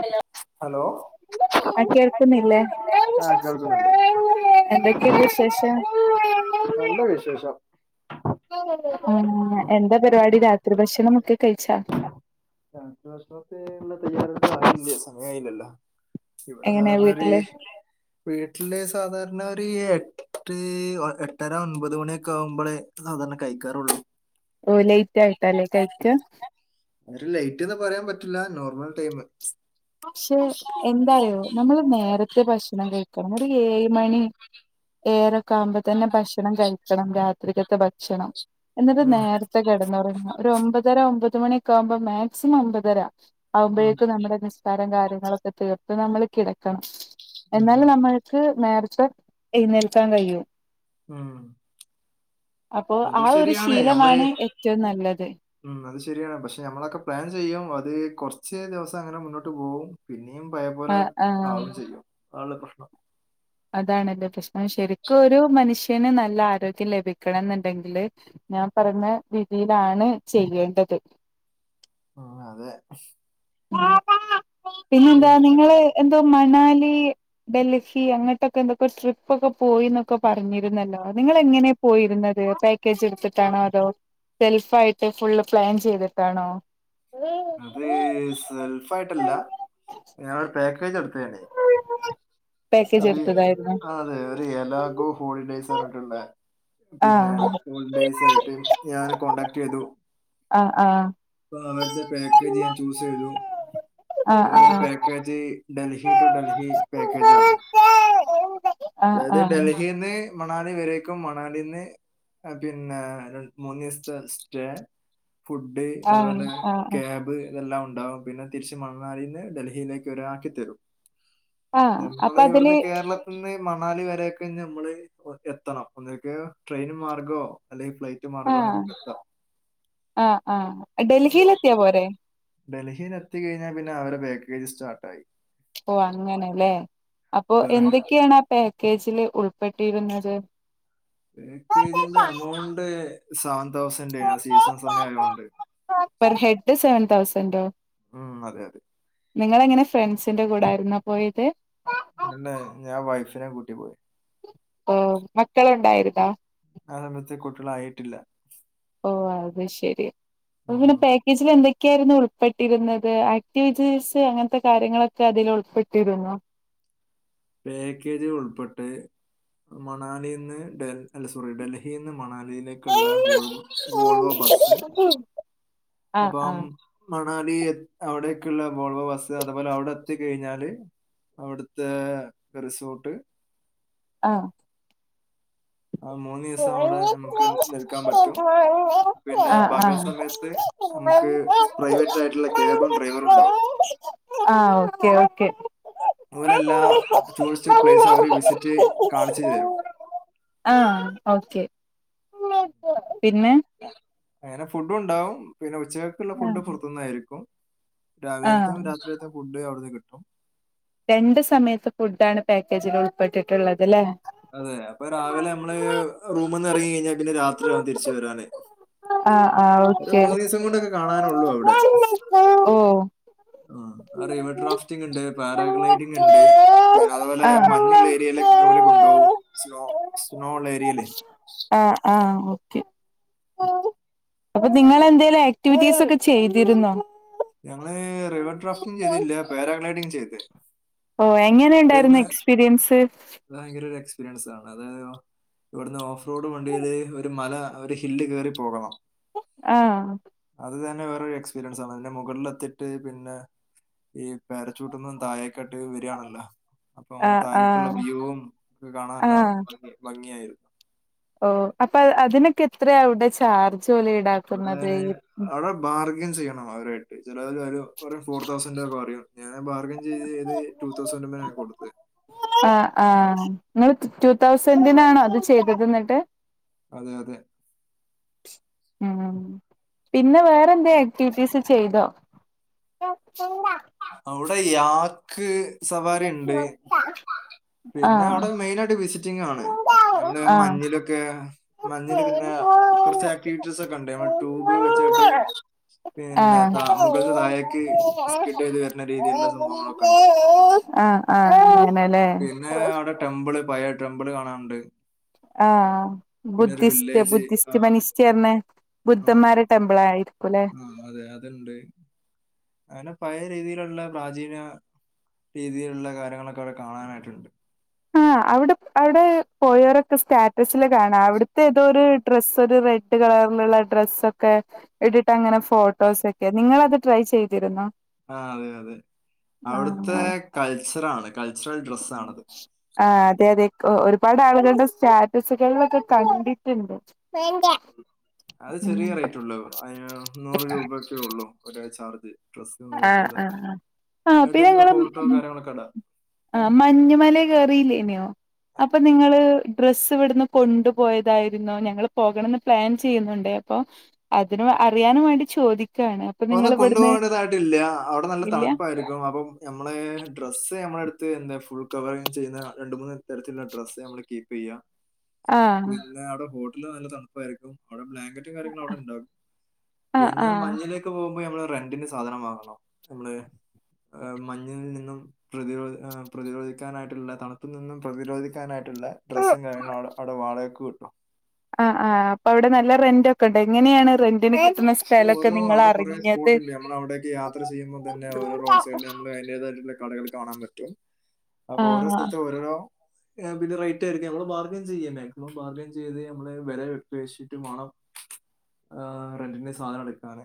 Hello hello ആഹ് കേൾക്കുന്നില്ലേ? ആഹ് കേൾക്കുന്നുണ്ട് എന്തൊക്കെണ്ട് വിശേഷം? നല്ല [unintelligible] ഉം എന്താ പരിപാടി രാത്രി ഭക്ഷണമൊക്കെ കഴിച്ചാേ രാത്രി ഭഷണത്തെ ഉള്ള തയ്യാറെടുപ്പിലാണ് സമയയില്ലല്ലോ എങ്ങനെയാ ഇവിടെ വീട്ടില് [inaudible] വീട്ടില് സാധാരണ ഒരു എട്ട് എട്ടര ഒൻപത് മണിയൊക്കെ ആകുമ്പള് സാധാരണ കഴിക്കാറുള്ളൂ. ഓഹ് ലൈറ്റ് ആയിട്ടല്ലേ കഴിക്കാ ഒര് ലൈറ്റ്ന്ന് പറയാൻ പറ്റില്ല നോർമൽ ടൈം. പക്ഷെ എന്താറിയോ നമ്മള് നേരത്തെ ഭക്ഷണം കഴിക്കണം ഒരു ഏഴ് മണി ഏഴരക്കെ ആകുമ്പോ തന്നെ ഭക്ഷണം കഴിക്കണം രാത്രികത്തെ ഭക്ഷണം എന്നിട്ട് ഉം നേര ത്തെ കെടന്നൊറങ്ങാ ഒരു ഒമ്പതര ഒമ്പത് മണിയൊക്ക ആകുമ്പോ മാക്സിമം ഒമ്പതര ഉം ആകുമ്പഴേക്കും നമ്മുടെ നിസ്കാരം കാര്യങ്ങളൊക്കെ തീർത്ത് നമ്മൾ കിടക്കണം ഉം എന്നാലെ നമ്മൾ ക്ക് നേർത്തെ എഴുന്നേൽക്കാൻ കഴിയും. ഉം അപ്പൊ അത് ആഹ് ഒര് ശരിയാണ് നമ്മള് ശീലമാണ് ഏറ്റവും നല്ലത് ഉം അത് ശരിയാണ് പഷെ നമ്മളൊക്കെ പ്ലാൻ ചെയ്യും അത് കൊറച്ച് ദിവസം അങ്ങനെ മുന്നോട്ട് പോവും പിന്നെയും പഴെ ആ പോലെ ആ ആവും ചെയ്യും അതാണ് പ്രശ്നം അതാണ്ല്ലെ പ്രശ്നം. ശരിക്കൊരു മനുഷ്യന് നല്ല ആരോഗ്യം ലഭിക്കണം ന്ന്ണ്ടെങ്കില് ഞാൻ പറഞ്ഞ രീതിയിലാണ് ചെയ്യേണ്ടത് ആഹ് അതെ പിന്നെന്താ പിന്നെ നിങ്ങള് എന്തൊ മണാലീ ഡൽഹി അങ്ങട്ടൊക്കെ എന്തൊക്കെ ട്രിപ്പൊക്കെ പോയിന്നൊക്കെ പറഞ്ഞിരുന്നല്ലൊ നിങ്ങളെ എങ്ങനെ പോയിരുന്നത് പാ ക്കേജ് ഇട്ത്ത്ട്ടാണൊ അതോ സെൽഫായിട്ട് ഫുള്ള് പ്ലാൻ ചെയ്ത്ട്ടാണൊ അത് സെൽഫായിട്ടല്ല ഞാനൊര് പാക്കേജ ഇട്ത്തേന് പക്കേജ് എടുത്തതായിരുന്നൊ ആ, അതെ എലാഗോ ഹോളിഡേസ് അർഞ്ഞ്ട്ട്ള്ള പിന്നെ ആഹ് ഹോളി ഡേസ് ആയിട്ട് ഞാൻ കോണ്ടാക്ട് ചെയ്തു ആഹ് ആഹ് അപ്പൊ അവര്ടെ പാക്കേജ് ഞാൻ ചൂസെയ്തു ആഹ് അവരെ ആഹ് പേ ക്കേജ് ഡൽഹി ട്ടു ഡൽഹി പാക്കേജാണ് ആഹ് അതായത് ആഹ് ഡൽഹീന്ന് മണാലി വരേക്കും മണാലീന്ന് ആഹ് പിന്നേ രണ്ട്മൂന്നീസ്തെ സ്റ്റെ ഫുഡ്ഡ് അത്പോലെ ആഹ് ആഹ് ക്യാബ് ഇതെല്ലാം ഉണ്ടാവും. പിന്നെ തിരിച്ച് മണ്ണാലീന്ന് ഡൽഹീലേക്ക് ഒലാക്കിത്തരും ആഹ് അപ്പൊ ഞമ്മളെ അതില് ഇവിടുന്ന് കേരള ത്ത്ന്ന് മണാലി വരേക്ക് ഞമ്മള് എത്തണം. ഒന്നുകി ട്രൈയിന് മാർഗൊ അല്ലെങ്കി ഫ്ലൈ റ്റ് മാർഗായാലും ആഹ് ഞമ്മക്ക് എത്താ ആഹ് ആഹ് ഡൽഹിലെത്തിയാ പോരെ ഡൽഹീല് എത്തികഴിഞ്ഞാ പിന്നെ അവരെ പാക്കേജ് സ്റ്റാർട്ടായി ഓഹ് അങ്ങനെലേ അപ്പൊ എന്തെക്കേണ് ആഹ് പാക്കേജില് ഉൾപ്പെട്ടിരുന്നത് ഏക്കേജിന്റെ അമൗണ്ട് സാൻ തൗസന്റേയാണ് സീസൺ സമയം ആയോണ്ട് പെർ ഹെഡ്ഡ് സെവൻ തൗസന്റൊ ഉം അതെ അതെ നിങ്ങളെ എങ്ങനെ ഫ്രൺസിന്റെ കൂടാര്ന്നൊ പോയത് ഇന്നെന്നെ ഞാൻ വൈഫിനേം കൂട്ട്യാ പോയ് ഓഹ് മക്കള്ണ്ടായിരുന്നോ ആഹ് സമയത്ത് കുട്ടീളായിട്ടില്ല ഓഹ് അത് ശരി അത് ഉം പിന്നെ പാ ക്കേജില് എന്തൊക്കെയാരുന്നു ഉൾപ്പെട്ടിരുന്നത് ആക്ടിവിറ്റീസ് അങ്ങൻത്തെ കാര്യങ്ങളൊക്കെ അതില് ഉൾപ്പെട്ടിരുന്നോ പാക്കേജ് ഉൾപ്പെട്ടഹ് മണാലീന്ന് ഡൽ അല്ല സോറി ഡൽഹീന്ന് മണാലീലേ ക്ക്ള്ളെ ഗോൾ ഗോൾവൊ ബസ്സ് ആ ആ അപ്പം മണാലീ എത് അവ്ടേക്ക്ള്ള വോൾവൊ ബസ്സ്. അതുപോലെ അവടെ എത്തി കഴിഞ്ഞാല് അവിട്ത്തേ റിസോട്ട് ആഹ് ആ മൂന്നീസം അവടെ ഞമക്ക് നിൽക്കാൻ പറ്റും. പിന്നെ ആ പകൽ ആ സമയത്ത് നമ്ക്ക് പ്രൈവറ്റ് ആയിട്ട്ള്ള ക്യാബും ഡ്രൈവറും ഇണ്ടാവും ആഹ് ഓക്കെ ഓക്കെ ഓലെല്ലാ ടൂറിസ്റ്റ് പ്ലെയ്സ് അവര് വിസിറ്റ് കാണിച്ച് തരും ആഹ് ഓക്കെ പിന്നെ അങ്ങനെ ഫുഡ്ഡുണ്ടാവും പിന്നെ ഉച്ചക്കക്ക്ള്ള ഫുഡ്ഡ് പൊറത്ത്ന്നായിരിക്കും. ആ രാവിലത്തും രാത്രികത്തെ ഫുഡ്ഡ് അവിടുന്ന് കിട്ടും രണ്ട് സമയത്ത് ഫുഡ്ഡാണ് പാക്കേജില് ഉൾപ്പെട്ടിട്ട്ള്ളത് ലേ അതെ അപ്പ രാവിലെ ഞമ്മള് റൂമ്ന്ന് എറങ്ങി കയ്ഞ്ഞാ പിന്നെ രാത്രിയാവും തിരിച്ച് വരാന് ആഹ് ആഹ് ഒര് ഓക്കെ മൂന്നീസം കൊണ്ടെക്കെ കാണാനൊള്ളു അവ്ടെ ഓ ആഹ് ആ റിവർ ഡ്രാഫ്റ്റിംഗ് ഇണ്ട് പാരഗ്ലൈഡിംഗ് ഇണ്ട് പിഅതുപോലെ ആഹ് മഞ്ഞ്ള്ള ഏരിയേല് ക്ക് അവര് കൊണ്ടോവും സ്നോ സ്നോ ഉള്ള ഏരിയേലേ ആഹ് ആഹ് ഓക്കെ അപ്പൊ നിങ്ങള് എന്തേലും ആക്ടിവിറ്റീസ് ഒക്കെ ചെയ്തിരുന്നോ ഞങ്ങള് റിവർ ഡ്രാഫ്റ്റിംഗ് ചെയ്തീല്യ പാരാഗ്ലൈഡിങ് ചെയ്ത് ഓഹ് എങ്ങനെ ഇണ്ടായിരുന്നു എക്സ്പീരിയൻസ് അത് ഭയങ്കര ഒരു എക്സ്പീരിയൻസ് ആണ് അതായത് ഇവിടുന്ന് ഓഫ് റോഡ് വണ്ടിയില് ഒരു മല ഒരു ഹില്ല് കേറി പോകണം ആഹ് അത് തന്നെ വേറെ ഒരു എക്സ്പരിയൻസ് ആണ് പിന്നെ മുകളിലെത്തിട്ട് പിന്നെ ഈ പേരച്ചൂട്ട്ന്നും താഴെക്കാട്ട് വരാണല്ലോ അപ്പോം ആഹ് തായെക്കുള്ള ആഹ് വ്യൂവും ഒക്കെ കാണാനല്ല ആഹ് ഭംഗിയായിരു ഓ അപ്പൊ അ അതിനൊക്കെ എത്രയാവിടെ ചാർജ് ഓല് അവടെ അവടെ ബാർഗയ്ൻ ചെയ്യണം അവരേട്ട് ചെലോല് പറിം ഒരു ഫോർ തൗസൻഡ് ഒക്കെ പറയും ഞാനത് ബാർഗയ്ൻ ചെയ്ത് ചെയ്ത് റ്റു തൗസൻഡ്മ്മലാ കൊടുത്ത് ആഹ് ആഹ് ഇങ്ങൾ റ്റു തൗസൻഡിനാണോ അത് ചെയ്തത് ഇന്നിട്ട് അതെ അതെ ഉം പിന്നെ വേറെ എന്തേ ആക്ടിവിറ്റീസ് ചെയ്തോ പില്ല അവിടെ യാക്ക് സവാരി ഇണ്ട് പിന്നെ ആഹ് അവടെ മെയിനായിട്ട് വിസിറ്റിംഗ് ആണ് ഞമ്മള് ആഹ് മഞ്ഞിലൊക്കെ മഞ്ഞില് പിന്നെ കുറച്ച് ആക്ടിവിറ്റീസ് ഒക്കെ ഇണ്ട് നമ്മ ട്യൂബ് വെച്ചാട്ട് പിന്നെ താ മുകൾന്ന് തായേക്ക് ആഹ് ഉണ്ട് ആഹ് [inaudible] പിന്നെ അവടെ ടെമ്പിള് പയേ ടെമ്പിള് കാണാണ്ട് ആഹ് ബുദ്ധിസ്റ്റ് വില്ലേജ് ആ ബുദ്ധിസ്റ്റ് മന്ഷ് റ്റ് പർണ ബുദ്ധന്മാരെ ടെമ്പിൾ ആയിരിക്കും ലേ ആഹ് അതെ അത്ണ്ട് അങ്ങനെ പഴയ രീതിയിലുള്ള പ്രാചീന രീതിയിലുള്ള കാര്യങ്ങളൊക്കെ അവിടെ കാണാനായിട്ടുണ്ട് ആഹ് അവിടെ അവിടെ പോയവരൊക്കെ സ്റ്റാറ്റസില് കാണാം അവിടുത്തെ ഏതോ ഒരു ഡ്രസ്സൊരു റെഡ് കളറിലുള്ള ഡ്രസ്സൊക്കെ ഇട്ടിട്ടങ്ങനെ ഫോട്ടോസൊക്കെ നിങ്ങളത് ട്രൈ ചെയ്തിരുന്നോ ആഹ് അതെ അതെ അവിടുത്തെ ആഹ് കൾച്ചറാണ് കൾച്ചറൽ ഡ്രസ്സാണത് ആഹ് അതെ അതെ ഒരുപാട് ആളുകളുടെ സ്റ്റാറ്റസുകളിലൊക്കെ കണ്ടിട്ടുണ്ട് അത് ഉം ചെറിയ റേറ്റ്ള്ളൂ അതിന് നൂറ് രൂപയൊക്കേ ഉള്ളു ഒരു ചാർജ് ഡ്രസ് ആഹ് ആഹ് [unintelligible] ആഹ് ആഹ് [unintelligible] കാര്യങ്ങളൊക്കെ ഇടാ ആഹ് മഞ്ഞുമലേ കേറില്ലേനോ അപ്പൊ നിങ്ങള് ഡ്രസ്സിവിടുന്ന് കൊണ്ടു പോയതായിരുന്നോ ഞങ്ങള് പോകണംന്ന് പ്ലാൻ ചെയ്യുന്നുണ്ട് അപ്പൊ അതിനും അറിയാനും വേണ്ടി ചോദിക്ക്വാണ് ഒന്നും കൊണ്ടു പോകേണ്ടതായിട്ടില്ല അവിടെ നല്ല ഇല്ല തണുപ്പായിരു ക്കും അപ്പം ഞമ്മളെ ഡ്രസ്സ് ഞമ്മളടുത്ത് എന്താ ഫുൾ കവറിങ് ചെയ്യുന്ന രണ്ട് മൂന്ന് തരത്തിലുള്ള ഡ്രസ്സ് നമ്മള് കീപ്പ് ചെയ്യാ ആഹ് പിന്നെ അവ്ടെ ഹോട്ടൽ നല്ല തണുപ്പാരിക്കും അവിടെ ബ്ലാങ്കറ്റും കാര്യങ്ങളും അവിടെ ണ്ടാകും ആഹ് പിന്നെ ആഹ് മഞ്ഞില് ട്ടു പോവുമ്പോ നമ്മള് റെന്റിന് സാധനം വാങ്ങണം നമ്മള് മഞ്ഞിൽ നിന്നും പ്രതിരോ പ്രതിരോധിക്കാനായിട്ടുള്ള തണുപ്പിൽ നിന്നും പ്രതിരോധിക്കാനായിട്ട് ട്ടുള്ള ഡ്രസ്സും കാര്യങ്ങളും അവ്ടെ അവിടെ വാടകക്ക് കിട്ടും ആഹ് ആഹ് അപ്പൊ അവിടെ നല്ല റെന്റൊക്കെ ഉണ്ടോ എങ്ങനെയാണ് റെന്റിന് കിട്ടുന്നെ അപ്പ ഓരോ അവിടെ കൊറേ സ്പോട്ടുണ്ട് ഞമ്മള് അവിടേക്ക് യാത്ര ചെയ്യുമ്പോ തന്നെ ഓരോ റോഡ് സൈഡില് ഞമ്മള് അതിന്റേതായിട്ടുള്ള കടകള് കാണാൻ പറ്റും അപ്പൊ ഓരോ ആഹ് സ്ഥലത്തും ഓരോരോ പിന്നെ റേറ്റായിരിക്കും നമ്മള് ബാർഗെയ്ൻ ചെയ്യ മാക്സിമം ബാർഗെയ്ൻ ചെയ്ത് നമ്മള് വെല പേശിട്ട് മേണം ആഹ് റെൻ്റിന് സ് സാധനം എടുക്കാന്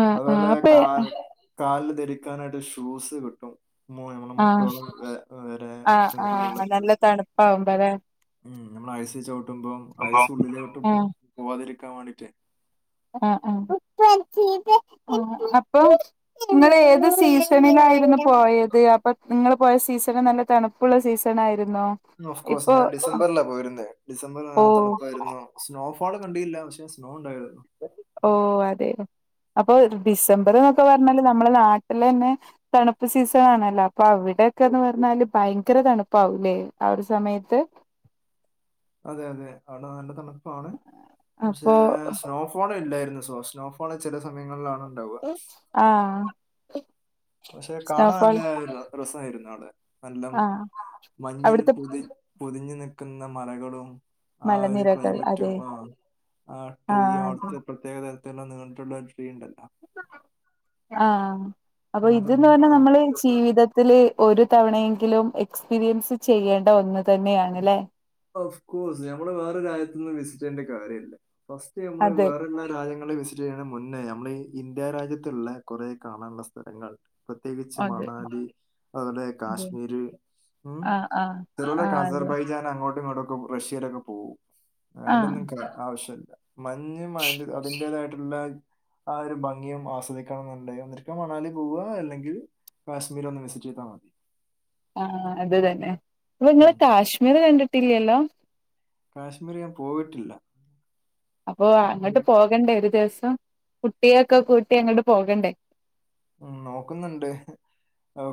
ആഹ് ആഹ് അതുപോലെ അപ്പൊ കാ കാലില് ധരിക്കാനായിട്ട് ഷൂസ് കിട്ടും മു- നമ്മളെ ആഹ് മുട്ടോളം വെ- വരെ ആഹ് നീളമുള്ള ആഹ് നല്ല തണുപ്പാവുമ്പഴേ ഉം നമ്മൾ ഐസി ചവിട്ടുമ്പം ഐസ് ഉള്ളിലോട്ട് പോ ആഹ് പോവാതിരിക്കാൻ വേണ്ടീട്ട് ആഹ് ആഹ് അപ്പോ നിങ്ങളേ തു സീസണിലായിരുന്നു പോയത് അപ്പൊ നിങ്ങൾ പോയ സീസൺ നല്ല തണുപ്പുള്ള സീസണായിരുന്നോ ഉം ഒഫ്കോഴ്സ് ഞാൻ ഡിസംബറിലാ പോയിരുന്നത് ഡിസംബറിൽ ഓ നല്ല തണുപ്പായിരുന്നു സ്നോഫോൾ കണ്ടീല്ല പക്ഷെ സ്നോ ഉണ്ടായിരുന്നു ഓ അതെയോ അപ്പൊ ഡിസംബർന്നൊക്കെ പറഞ്ഞാല് നമ്മളെ നാട്ടില് തന്നെ തണുപ്പ് സീസൺ ആണല്ലോ അപ്പൊ അവിടെയെക്കെന്ന് പറഞ്ഞാല് ഭയങ്കര തണുപ്പാവൂലേ ആ ഒരു സമയത്ത് അതെ അതെ അവിടെ നല്ല തണുപ്പാണ് പക്ഷേ അപ്പൊ സ്നോഫ് ഫോളില്ലായിരുന്നു സോ സ്നോഫാൾ ചെല സമയങ്ങളിലാണ് ഉണ്ടാവുക ആഹ് പക്ഷെ കാണാൻ നല്ല ഒരു രസായിരുന്നു അവ്ടെ നല്ലം ആ അവിടുത്തെ മഞ്ഞിൽപുതി പുതിഞ്ഞു നിക്കുന്ന മലകളും ആ ഒരു മലനിരകൾ ക്ലൈമറ്റും അതെ ആ ആ ട്രീയും അവിടുത്തെ പ്രത്യേക തരത്തിലുള്ള നീണ്ടിട്ടുള്ളരു ട്രീ ഉണ്ടല്ല ആഹ് അപ്പൊ ഇതന്ന് അതെല്ലാം പറഞ്ഞാ കാണാൻ നമ്മള് ജീവിതത്തില് ഒരു തവണയെങ്കിലും എക്സ്പീരിയൻസ് ചെയ്യേണ്ട ഒന്ന് തന്നെയാണ്ല്ലേ ഒഫ്കോഴ്സ് ഞമ്മള് വേറെ രാജ്യത്ത്ന്നും വിസിറ്റ് ചെയ്യേണ്ട കാര്യല്ല ഫസ്റ്റ് നമ്മള് അതെ വേറെല്ലാ രാജ്യങ്ങളും വിസിറ്റ് ചെയ്യണ മുന്നേ ഞമ്മള് ഈ ഇന്ത്യാ രാജ്യത്തുള്ള കൊറേ കാണാനുള്ള സ്ഥലങ്ങൾ പ്രത്യേകിച്ച് അതെ മണാലി അതുപോലെ അതെ കാശ്മീര് ഉം ആഹ് ആഹ് ചെലോരെക്കെ ആഹ് അതെ അസർബൈജാൻ അങ്ങോട്ടും ഇങ്ങോട്ടൊക്കും റഷ്യയിലൊക്കെ പോവും ആഹ് അതിൻ്റൊന്നും കാ ആവശ്യല്ല മഞ്ഞും അതി അതിൻന്റേതായിട്ടുള്ള ആ ഒരു ഭംഗിയും ആസ്വദിക്കണം എന്നുണ്ട ന്നിരിക്കാ മണാല് പോവ അല്ലെങ്കിൽ കാശ്മീരൊന്ന് വിസിറ്റ് ചെയ്താൽ മതി ആഹ് അത് തന്നെ ഇപ്പൊളും ങ്ങള് ഉം. കാശ്മീർ കണ്ടിട്ടില്ലല്ലോ കാശ്മീർ ഞാൻ പോയിട്ടില്ല അപ്പൊ അങ്ങട്ട് പോകണ്ടേ ഒരു ദിവസം കുട്ടിയൊക്കെ കൂട്ടി അങ്ങോട്ട് പോകണ്ടേ ഉം നോക്കുന്നുണ്ട്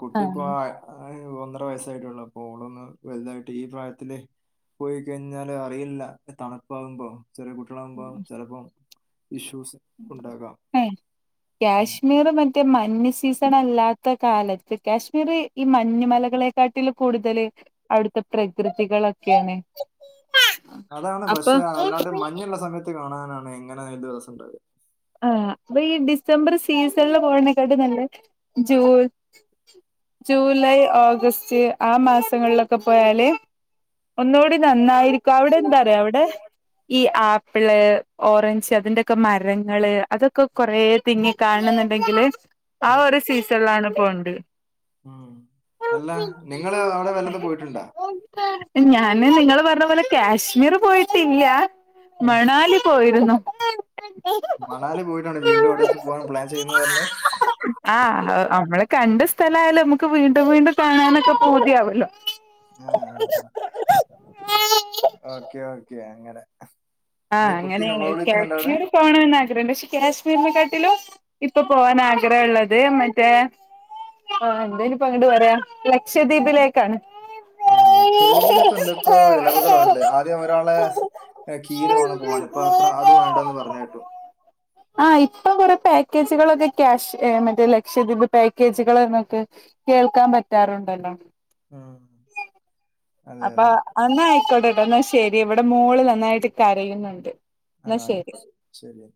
കുട്ടിപ്പോ ആഹ് ആഹ് ഒന്നര വയസായിട്ടള്ളപ്പോ ഓളൊന്ന് വലുതായിട്ട് ഈ പ്രായത്തില് പോയി കഴിഞ്ഞാല് അറിയില്ല തണുപ്പാവുമ്പോ ചെറിയ കുട്ട മ്പ ചിലപ്പോ ഇഷ്യൂസ് ഉണ്ടാകാം എഹ് ഉം. കാശ്മീർ മറ്റ മറ്റേ മഞ്ഞ് സീസൺ അല്ലാത്ത കാലത്ത് കാശ്മീർ ഈ മഞ്ഞ മലകളെക്കാട്ടിൽ കൂടുതല് അവിടുത്തെ പ്രകൃതികളൊക്കെണ് അതാണ് പക്ഷെ അതിനട്ട് മഞ്ഞുള്ള സമയത്ത് കാണാനാണ് എങ്ങനെ ആയാലും രസംണ്ടാവൽ ആഹ് അപ്പ ഈ ഡിസംബർ സീസണില് പോതിനേക്കാട്ടും നല്ല ജൂൺ ജൂലൈ ഓഗസ്റ്റ് ആ മാസങ്ങളിലൊക്കെ പോയാല് ഒന്നുടി നന്നായിരിക്കും അവിടെ എന്താറയാ അവിടെ ഈ ആപ്പിള് ഓറഞ്ച് അതിന്റെൊക്കെ മരം ങ്ങള് അതൊക്കെ കൊറേ തിങ്ങി കാണുന്നുണ്ടെങ്കില് ആ ഒരു സീസണിലാണ് പോണ്ട് ഉം അല്ല നിങ്ങള് അവിടെ വല്ലതും പോയിട്ടുണ്ടാ ഞാന് നിങ്ങള് പറഞ്ഞ പോലെ കാശ്മീർ പോയിട്ടില്ല ആ, മണാലി പോയിരുന്നു മണാലി പോയിട്ടാണ് വീണ്ടും അവിടേക്ക് പോകൻ പ്ലാൻ ചെയ്യുന്നന്ന് പറഞ്ഞഞ് ആഹ് നമ്മളെ കണ്ട സ്ഥലായാലും നമുക്ക് വീണ്ടും വീണ്ടും കാണാനൊക്കെ പൂതിയാവല്ലോ ആഹ് ഓക്കെ ഓക്കെ അങ്ങനെ എന്റെ കുട്ടി നിലവിളിക്കുന്നുണ്ടോ അവിടെ പോണന്ന് ആഗ്രഹംണ്ട് പക്ഷെ കാശ്മീരിനെ കാട്ടിലും ഇപ്പൊ പോവാൻ ആഗ്രഹം ഉള്ളത് മറ്റേ ആഹ് എന്താ ഇനിപ്പ അങ്ങിട്ട് പറയാ ലക്ഷദ്വീപിലേക്കാണ് ആഹ് ലക്ഷദ്വീപിലക്കെ എന്തൊക്ക ഇളവുകളുണ്ട് ആദ്യം ഒരാളെ കീൽ വേണം പോവാൻ ഇപ്പപ്പോ അത്ര അത് വേണ്ട എന്ന് പറഞ്ഞ കേട്ടോ ആഹ് ഇപ്പൊ കൊറെ പാക്കേജുകളൊക്കെ ക്യാഷ് മറ്റേ ലക്ഷദ്വീപ് പാക്കേജുകൾ എന്നൊക്കെ കേൾക്കാൻ പറ്റാറുണ്ടല്ലോ ഉം അതെ അപ്പൊ അതെ അന്നയിക്കോട്ടെട്ടോ എന്നാ ശരി ഇവിടെ മോള് നന്നായിട്ട് കരയുന്നുണ്ട് എന്നാ ആഹ് ശരി ആയിക്കോട്ടേ ശരിയ